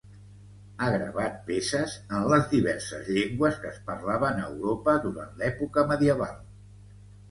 Ha gravat peces en les diverses llengües que es parlaven a Europa durant l'època medieval.